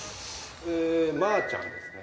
まーちゃんですね。